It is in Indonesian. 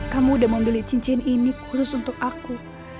kamu udah membeli cincin ini khusus untuk aku